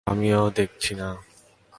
আমিও দেখছি না।